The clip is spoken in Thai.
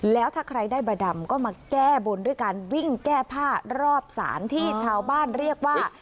แล้วถ้าใครได้บาดำก็มาแก้บนด้วยการวิ่งแก้ผ้ารอบศาลที่ชาวบ้านเรียกว่า